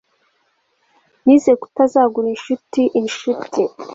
nize kutazaguza inshuti inshuti